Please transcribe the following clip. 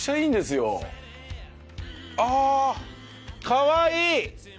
かわいい！